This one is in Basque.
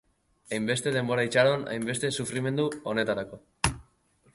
Hainbeste denbora itxaron, hainbeste sufrimendu honetarako.